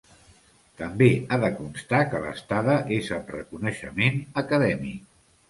També ha de constar que l'estada és amb reconeixement acadèmic.